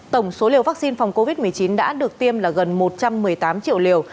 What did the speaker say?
tổng số liều vaccine phòng covid một mươi chín đã được tiêm là gần một trăm một mươi tám triệu liều